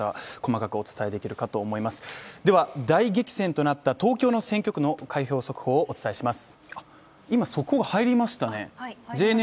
大激戦となった東京の選挙区の開票速報をお伝えします。